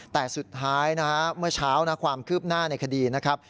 แต่สุดท้ายนะฮะเมื่อเช้านะความคืบหน้าในคดีนะครับ